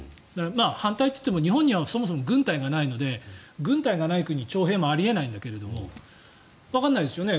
反対といっても日本にはそもそも軍隊がないので軍隊がない国に徴兵もあり得ないんだけどわかんないですよね。